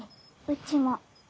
うちも。